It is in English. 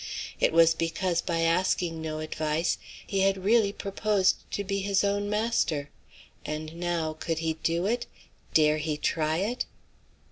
It was because by asking no advice he had really proposed to be his own master. And now, could he do it? Dare he try it?